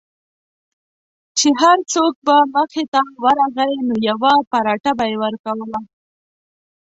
چې هر څوک به مخې ته ورغی نو یوه پراټه به یې ورکوله.